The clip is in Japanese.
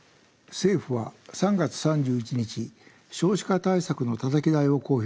政府は３月３１日少子化対策のたたき台を公表しました。